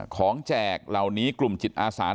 แจกเหล่านี้กลุ่มจิตอาสา